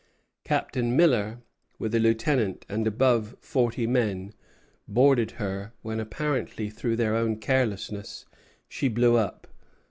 Captain Miller, with a lieutenant and above forty men, boarded her; when, apparently through their own carelessness, she blew up.